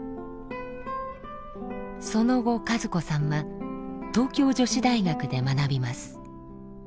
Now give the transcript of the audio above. その後和子さんは東京女子大学で学びます。